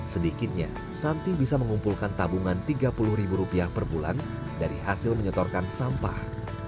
sedikitnya santi bisa mengumpulkan tabungan rp tiga puluh ribu rupiah per bulan dari hasil menyetorkan sampah